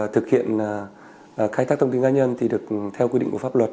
thực hiện khai thác thông tin cá nhân thì được theo quy định của pháp luật